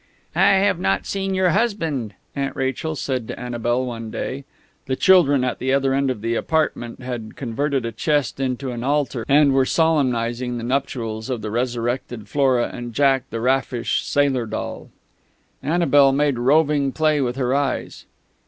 "I have not seen your husband," Aunt Rachel said to Annabel one day. (The children at the other end of the apartment had converted a chest into an altar, and were solemnising the nuptials of the resurrected Flora and Jack, the raffish sailor doll.) Annabel made roving play with her eyes.